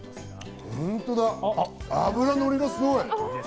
本当だ、脂のりがすごい。